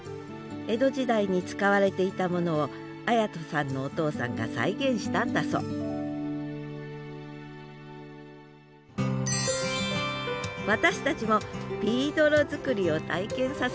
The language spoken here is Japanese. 江戸時代に使われていたものを礼人さんのお父さんが再現したんだそう私たちもビードロ作りを体験させてもらいました